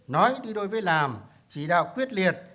nói đi đối với làm chỉ đạo quyết liệt